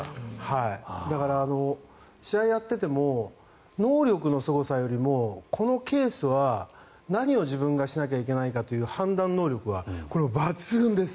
だから、試合をやっていても能力のすごさよりもこのケースは何を自分がしなきゃいけないという能力は抜群です。